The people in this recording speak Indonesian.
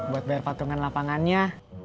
buat bayar pakungan lapangannya